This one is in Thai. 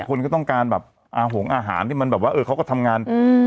คนก็ต้องการแบบอาหงอาหารที่มันแบบว่าเออเขาก็ทำงานอืม